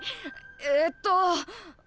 えっと。